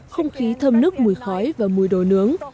không khí thơm nước mùi khói và mùi đồi nướng